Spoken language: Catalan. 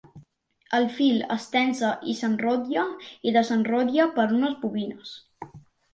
El fil es tensa i s'enrotlla i desenrotlla per unes bobines.